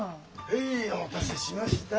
へいお待たせしました。